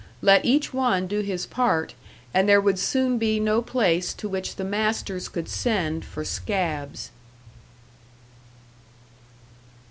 Let each one do his part, and there would soon be no place to which the masters could send for "scabs."